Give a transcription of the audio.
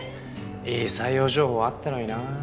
いい採用情報あったのになあ。